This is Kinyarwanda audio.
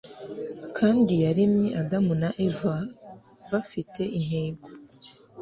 kandi yaremye Adamu na Eva bafite intego